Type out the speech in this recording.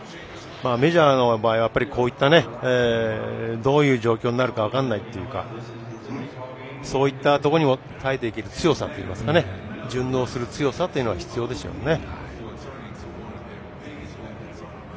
メジャーの場合こういったどういう状況になるか分からないというかそういったところに耐えていける強さっていうか順応する強さというのは必要でしょうね。